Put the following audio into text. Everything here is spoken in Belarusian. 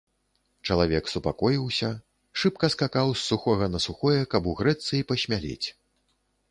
Чалавек супакоіўся, шыбка скакаў з сухога на сухое, каб угрэцца і пасмялець.